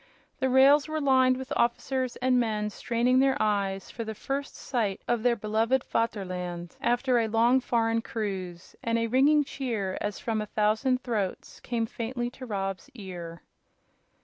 The rails were lined with officers and men straining their eyes for the first sight of their beloved "VATERLAND" after a long foreign cruise, and a ringing cheer, as from a thousand throats, came faintly to Rob's ear.